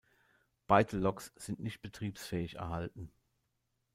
Beide Loks sind nicht betriebsfähig erhalten.